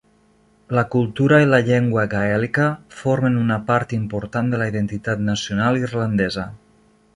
La cultura i la llengua gaèlica formen una part important de la identitat nacional irlandesa.